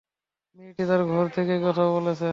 মেয়েটি তার ঘর থেকেই কথা বলছে।